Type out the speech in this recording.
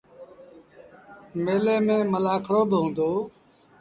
ميلي ميݩ ملآکڙوبا هُݩدو۔